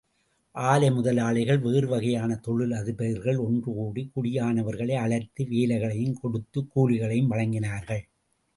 ஆலை முதலாளிகள், வேறு வகையான தொழிலதிபர்கள் ஒன்று கூடி, குடியானவர்களை அழைத்து, வேலைகளையும் கொடுத்து கூலிகளையும் வழங்கினார்கள்.